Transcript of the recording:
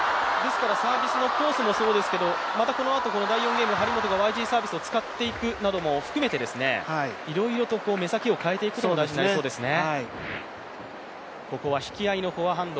サービスのコースもそうですけどこのあと第４ゲーム、張本がＹＧサービスを使っていくのも含めていろいろと目先を変えていくことも大事になりそうですね。